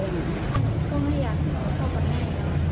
หนูก็ไม่อยากอยู่กับพ่อกับแม่แล้ว